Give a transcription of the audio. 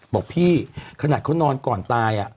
บอกพี่ขนาดเขานอนก่อนตาย